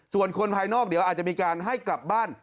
ส่วนคนภายนอกเดี๋ยวอาจจะมีการให้กลับบ้าน